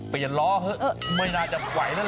ไปอย่าล้อเหอะไม่น่าจะไหวนั่นแหละ